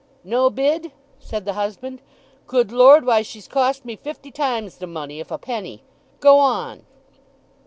"No bid?" said the husband. "Good Lord, why she's cost me fifty times the money, if a penny. Go on."